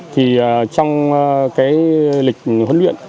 thì trong cái lịch huấn luyện